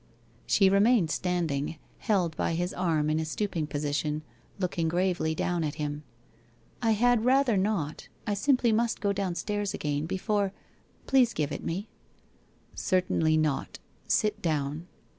She remained standing, held by his arm in a stooping po sition. Looking gravely down on him. ' I had rather not. I simply must go downstairs again, before — please give it me.' ' Certainly not. Sit down.'